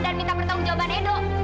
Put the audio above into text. dan minta pertanggung jawaban edo